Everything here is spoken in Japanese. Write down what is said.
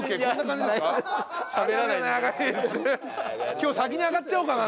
「今日先にあがっちゃおうかな！」